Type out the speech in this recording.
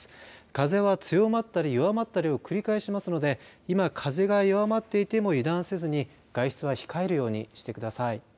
風は強まったり弱まったりを繰り返しますので今風が弱まっていても油断せずに外出を控えるようにしてください。